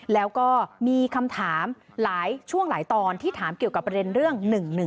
แล้วก็มีคำถามหลายช่วงหลายตอนที่ถามเกี่ยวกับประเด็นเรื่อง๑๑๒